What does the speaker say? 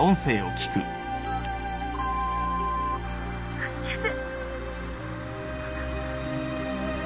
助けて。